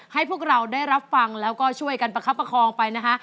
ให้พวกเราได้รับฟังแล้วก็ช่วยกันประคับประคองไปนะคะ